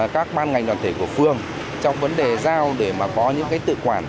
các ban ngành đoàn thể của phường trong vấn đề giao để mà có những cái tự quản